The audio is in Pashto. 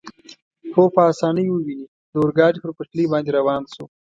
مو په اسانۍ وویني، د اورګاډي پر پټلۍ باندې روان شو.